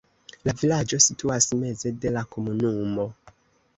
La vilaĝo situas meze de la komunumo.